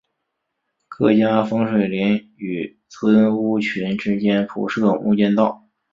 客家风水林与村屋群之间铺设木栈道。